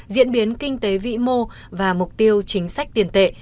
diễn biến kinh tế vĩ mô và mục tiêu chính sách tiền tệ